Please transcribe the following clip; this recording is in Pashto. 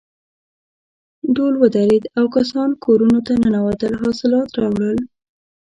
ډول ودرېد او کسان کورونو ته ننوتل حاصلات راوړل.